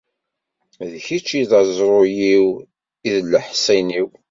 D kečč i d aẓru-iw, i d leḥṣin-iw.